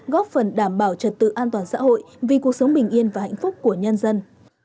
góp phần đảm bảo trật tự an toàn xã hội vì cuộc sống bình yên và hạnh phúc của nhân dân